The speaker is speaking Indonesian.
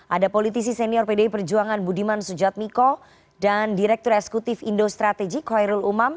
ada politisi senior pdi berjuangan budiman sujadmiko dan direktur esekutif indo strategik khairul umam